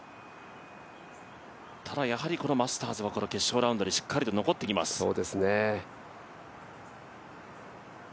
ただマスターズでは決勝ラウンドにしっかりと残ってきます。